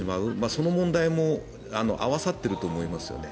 その問題も合わさっていると思いますよね。